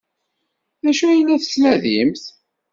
D acu ay la tettnadimt?